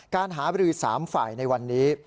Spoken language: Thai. การหาบรือ๓ฝ่ายในวันนี้